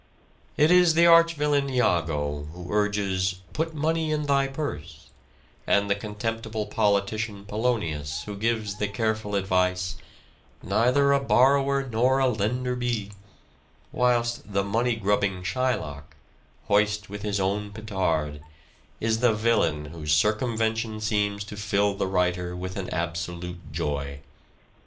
It is the arch villain, lago, who urges " put money in thy purse," and the contemptible politician, Polonius, who gives the careful advice " neither a borrower nor a lender be "; whilst the money grubbing Shylock, hoist with his own petard, is the villain whose circumvention seems to fill the writer with an absolute joy.